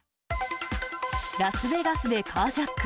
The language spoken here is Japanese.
ラスベガスでカージャック。